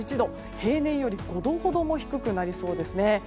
平年より５度ほども低くなりそうです。